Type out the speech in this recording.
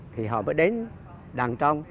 thì họ mới đến đảng trong